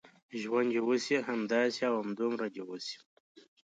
ژوند دې وشي، همداسې او همدومره دې وشي.